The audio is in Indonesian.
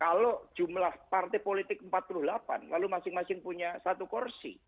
kalau jumlah partai politik empat puluh delapan lalu masing masing punya satu kursi